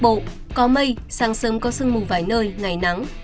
phía tây bắc bộ có mây sáng sớm có sương mù vài nơi ngày nắng